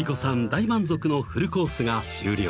大満足のフルコースが終了